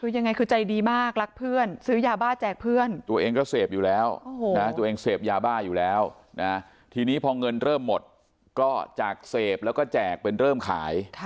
คือยังไงคือใจดีมากรักเพื่อนซื้อยาบ้าแจกเพื่อนตัวเองก็เสพอยู่แล้วตัวเองเสพยาบ้าอยู่แล้วนะทีนี้พอเงินเริ่มหมดก็จากเสพแล้วก็แจกเป็นเริ่มขาย